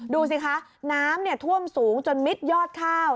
ดูสิคะน้ำท่วมสูงจนมิดยอดข้าว